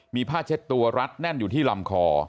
มีผ้าเช็ดตัวรัดแน่นอยู่ที่ลำคอ